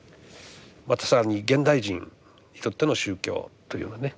また更に現代人にとっての宗教というようなね